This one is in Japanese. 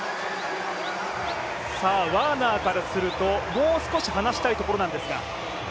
ワーナーからすると、もう少し離したいところなんですが。